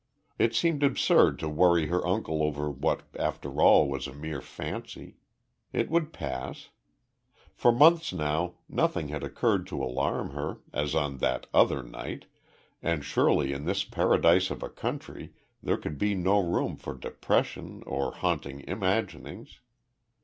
It seemed absurd to worry her uncle over what after all was a mere fancy. It would pass. For months now, nothing had occurred to alarm her, as on that other night and surely in this paradise of a country there could be no room for depression or haunting imaginings.